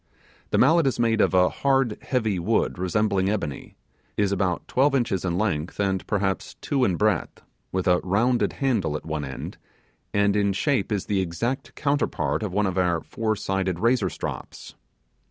The mallet is made of a hard heavy wood resembling ebony, is about twelve inches in length, and perhaps two in breadth, with a rounded handle at one end, and in shape is the exact counterpart of one of our four sided razor strops.